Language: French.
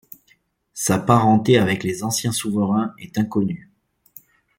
Sa parenté avec les anciens souverains est inconnue.